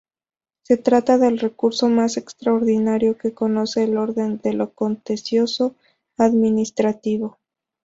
Se trata del recurso más extraordinario que conoce el orden de lo contencioso-administrativo.